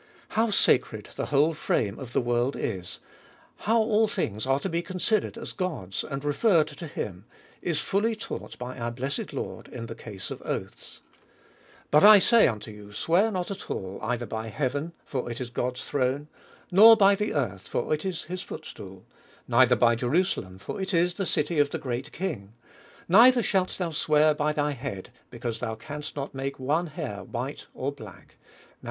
How sacred the whole frame of the world is, how all things are to be considered as God's, and referred to him, is fully taught by our blessed Lord in the case of oaths : But I say unto you. Swear not at all ; neither hy heaven, for it is God's throne ; nor by the ^16 A SERIOUS CALL TO A earth, for it is his footstool ; neither by Jerusalentj for it is the city of the great King ; neither shaltthou swear hy thy head, because thou canst not make one hair white or black ; Mat.